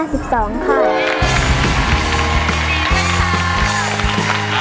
ดีมากค่ะ